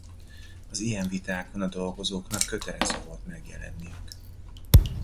Az ilyen vitákon a dolgozóknak kötelező volt megjelenniük.